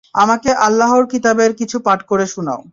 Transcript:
আমাকে আল্লাহর কিতাবের কিছু পাঠ করে শুনাও।